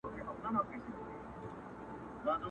د سرتوري به کور وران وي پر اوربل به یې اور بل وي؛